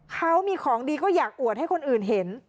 เขามีของดีก็อยากอวดให้คนอื่นเห็น